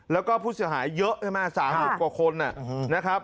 แล้วก็ผู้เสียหายเยอะใช่ไหม๓๐กว่าคนนะครับ